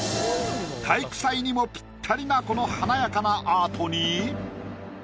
体育祭にもぴったりなこの華やかなアートに。